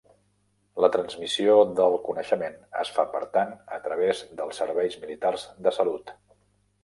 La transmissió del coneixement es fa, per tant, a través dels serveis militars de salut.